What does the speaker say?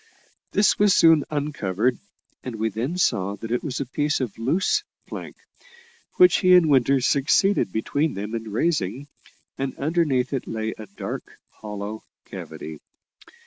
This was soon uncovered, and we then saw that it was a piece of loose plank, which he and Winter succeeded between them in raising, and underneath it lay a dark hollow cavity.